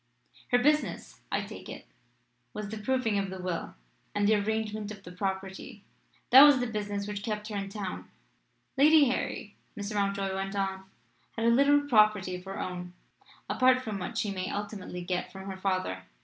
"Her business, I take it, was the proving of the will and the arrangement of the property." "That was the business which kept her in town." "Lady Harry," Mr. Mountjoy went on, "had a little property of her own apart from what she may ultimately get from her father.